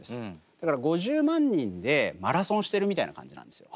だから５０万人でマラソンしてるみたいな感じなんですよ。